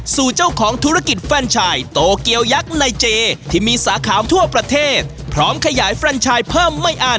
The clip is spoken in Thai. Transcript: สู่เจ้าของธุรกิจแฟนชายโตเกียวยักษ์ในเจที่มีสาขาทั่วประเทศพร้อมขยายแฟนชายเพิ่มไม่อ่าน